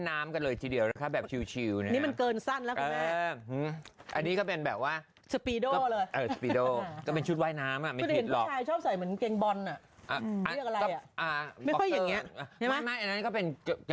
ร้านก๋วยเตี๋ยวไก่ที่คุณแม่มากินกับแฟนเนี่ย